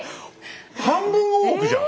半分大奥じゃん！